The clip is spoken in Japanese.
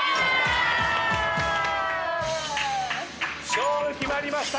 勝負決まりました。